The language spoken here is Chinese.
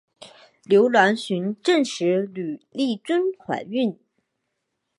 刘銮雄证实吕丽君怀孕。